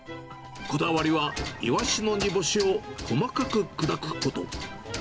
こだわりはイワシの煮干しを細かく砕くこと。